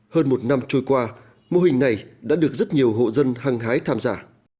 hơn một năm trôi qua mô hình này đã được rất nhiều hộ dân hăng hái tham gia